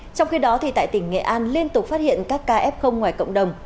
trong khi đó tại tỉnh nghệ an liên tục phát hiện các ca f ngoài cộng đồng